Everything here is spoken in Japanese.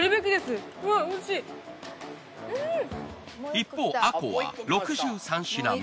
一方あこは６３品目。